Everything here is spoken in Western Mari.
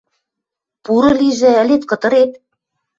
Пуры лижӹ, ӹлет-кытырет?